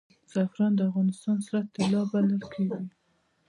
زعفران د افغانستان سره طلا بلل کیږي